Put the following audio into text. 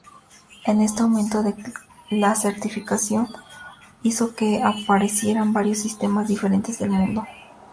Este aumento de la certificación hizo que aparecieran varios sistemas diferentes en el mundo.